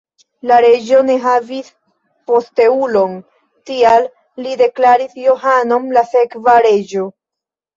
La reĝo ne havis posteulon, tial li deklaris Johanon la sekva reĝo.